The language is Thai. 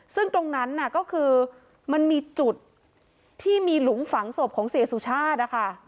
ซึ่งตรงนั้นน่ะก็คือมันมีจุดที่มีหลุมฝังศพของเสียสุชาตินะคะ